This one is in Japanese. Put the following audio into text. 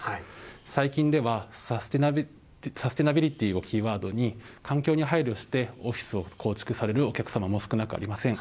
最近では、サステナビリティーをキーワードに環境に配慮して、オフィスを構築されるお客様も少なくありません。